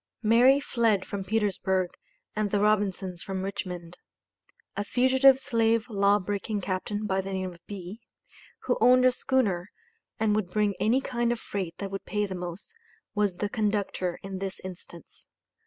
Mary fled from Petersburg and the Robinsons from Richmond. A fugitive slave law breaking captain by the name of B., who owned a schooner, and would bring any kind of freight that would pay the most, was the conductor in this instance.